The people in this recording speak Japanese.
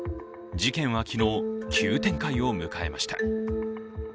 事件は昨日、急展開を迎えました。